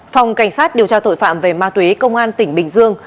phòng cảnh sát điều tra tội phạm về ma túy công an tỉnh bình dương